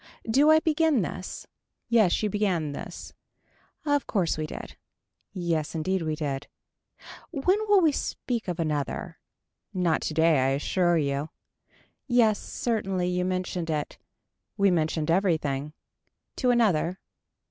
Do I begin this. Yes you began this. Of course we did. Yes indeed we did. When will we speak of another. Not today I assure you. Yes certainly you mentioned it. We mentioned everything. To another.